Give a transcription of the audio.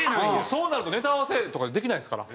そうなるとネタ合わせとかできないですから。